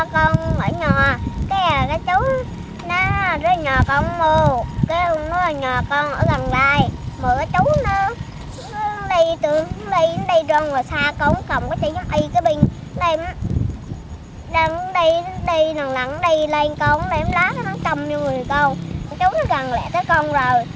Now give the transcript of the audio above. cháu đi lặng lặng đi lên con đánh lá nó cầm vô người con cháu nó gần lẹ tới con rồi